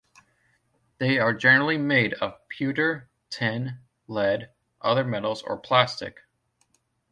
They are generally made of pewter, tin, lead, other metals or plastic.